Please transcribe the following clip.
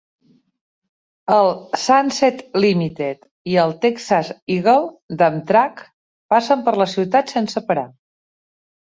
El "Sunset Limited" i el "Texas Eagle" d'Amtrak passen per la ciutat sense parar.